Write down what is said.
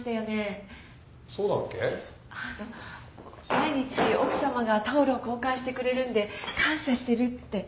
毎日奥さまがタオルを交換してくれるんで感謝してるって。